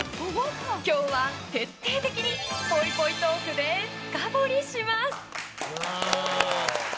今日は徹底的にぽいぽいトークで深掘りします。